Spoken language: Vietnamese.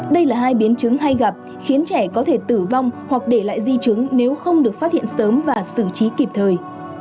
đây là hai biến chứng hay gặp khiến trẻ có thể tử vong hoặc để lại di chứng nếu không được phát hiện sớm và xử trí kịp thời